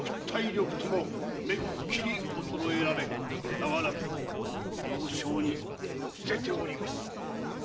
体力ともめっきり衰えられ長らく病床に臥せております。